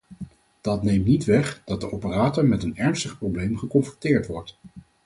Dat neemt niet weg dat de operator met een ernstig probleem geconfronteerd wordt.